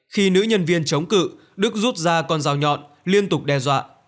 khi nữ nhân viên chống cự đức rút ra con dao nhọn liên tục đe dọa